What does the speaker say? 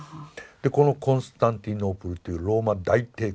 でこのコンスタンティノープルというローマ大帝国。